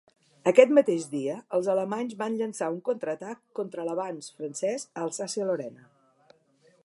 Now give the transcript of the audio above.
Aquest mateix dia, els alemanys van llançar un contraatac contra l'avanç francès a Alsàcia-Lorena.